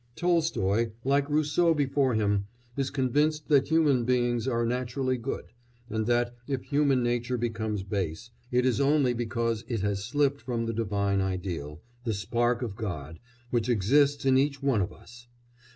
Tolstoy, like Rousseau before him, is convinced that human beings are naturally good, and that, if human nature becomes base, it is only because it has slipped from the divine ideal, the spark of God, which exists in each one of us.